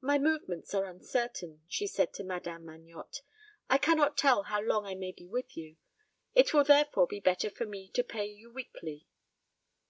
"My movements are uncertain," she said to Madame Magnotte. "I cannot tell how long I may be with you. It will therefore be better for me to pay you weekly."